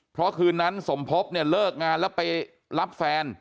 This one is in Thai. เพราะคืนนั้นสมภพเนี่ยเลิกงานแล้วไปรับแฟน